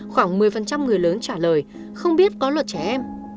khoảng một mươi người lớn trả lời không biết có luật trẻ em